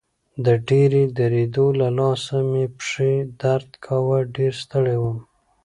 د ډېرې درېدو له لاسه مې پښې درد کاوه، ډېر ستړی وم.